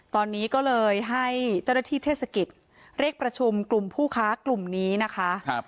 ตอนนี้ก็เลยให้เจ้าหน้าที่เทศกิจเรียกประชุมกลุ่มผู้ค้ากลุ่มนี้นะคะ